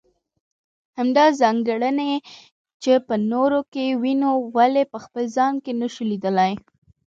همدا ځانګړنې چې په نورو کې وينو ولې په خپل ځان کې نشو ليدلی.